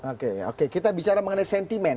oke oke kita bicara mengenai sentimen